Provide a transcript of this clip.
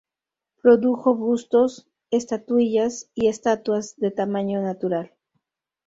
Produjo bustos, estatuillas y estatuas de tamaño natural.